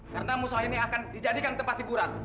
karena musyolah ini akan dijadikan tempat hiburan